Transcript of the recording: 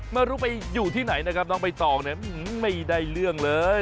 ไม่รู้ไปอยู่ที่ไหนนะครับน้องใบตองเนี่ยไม่ได้เรื่องเลย